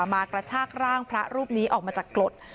มากระชากร่างพระรูปนี้ออกมาจากกรด